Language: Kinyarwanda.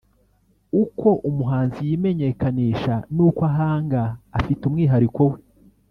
uko umuhanzi yimenyekanisha n’uko ahanga afite umwihariko we